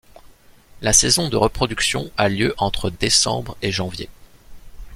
La saison de reproduction a lieu entre décembre et janvier.